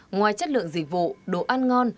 ngoài chất lượng dịch vụ đồ ăn ngon